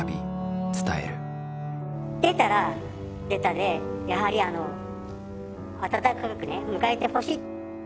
出たら出たでやはりあの温かくね迎えてほしい。